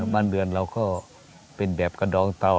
บ้านเรือนเราก็เป็นแบบกระดองเต่า